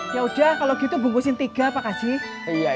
yaudah kalau gitu bungkusin tiga pak kakak